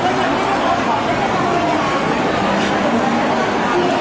ขอบคุณหมอครับ